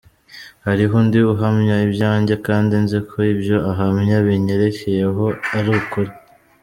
Hariho Undi uhamya ibyanjye, kandi nzi ko ibyo ahamya binyerekeyeho ari ukuri.